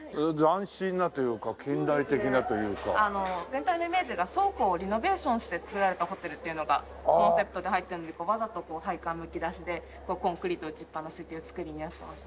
全体のイメージが倉庫をリノベーションして造られたホテルっていうのがコンセプトで入ってるのでわざとこう配管むき出しでコンクリート打ちっぱなしっていう造りになってます。